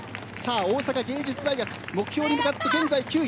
大阪芸術大学目標に向かって現在９位。